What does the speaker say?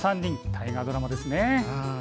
大河ドラマですね。